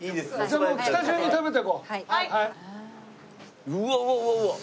じゃあもう来た順に食べていこう。